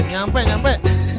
uih nyampe nyampe